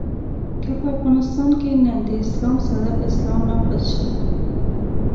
که په افغانستان کې نن د اسلام صدر اسلام نافذ شي.